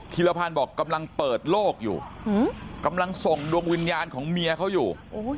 รพันธ์บอกกำลังเปิดโลกอยู่กำลังส่งดวงวิญญาณของเมียเขาอยู่